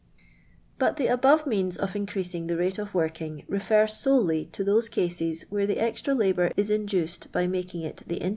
l»ut the abo\e means of iiun.a ijig the rate of wurkini: refer solely to thosr cases where ili j extra laliour is induced by niakin;j it the iiit